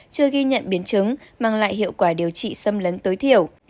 chưa ghi nhận biến chứng mang lại hiệu quả điều trị xâm lấn tối thiểu